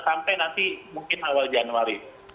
sampai nanti mungkin awal januari